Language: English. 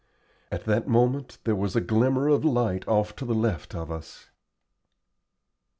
At that moment there was a glimmer of light off to the left of us.